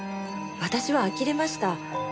私は呆れました。